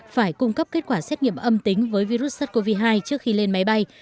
phải cung cấp kết quả xét nghiệm âm tính với virus sắt covid hai trước khi lên máy bay